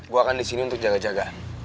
gue akan disini untuk jaga jaga